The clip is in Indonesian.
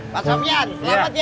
pak sopyan selamat ya